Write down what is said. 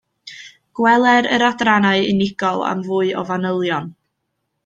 Gweler yr adrannau unigol am fwy o fanylion